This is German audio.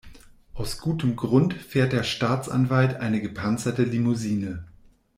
Aus gutem Grund fährt der Staatsanwalt eine gepanzerte Limousine.